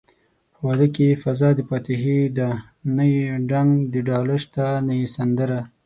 په واده کې يې فضادفاتحې ده نه يې ډنګ دډاله شته نه يې سندره